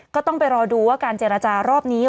ก็ต้องไปรอดูว่าการเจรจารอบนี้